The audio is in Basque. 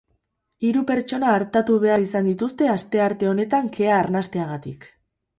Hiru pertsona artatu behar izan dituzte astearte honetan kea arnasteagatik.